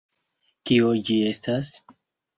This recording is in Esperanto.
Kio ĝi estas?